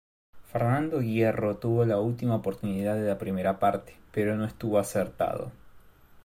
Fernando Hierro tuvo la última oportunidad de la primera parte, pero no estuvo acertado.